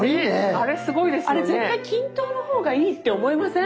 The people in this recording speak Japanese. あれ絶対均等の方がいいって思いません？